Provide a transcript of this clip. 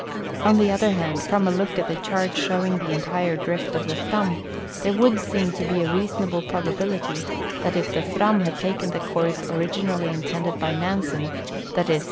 On the other hand, from a look at the chart showing the entire drift of the Fram, there would seem to be a reasonable probability that if the Fram had taken the course originally intended h}'' Nansen, viz.